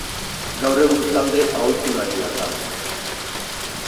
Gaur egun talde aholkularia da.